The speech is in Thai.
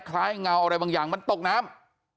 เงาอะไรบางอย่างมันตกน้ำ